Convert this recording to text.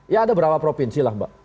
ya ada berapa provinsi lah mbak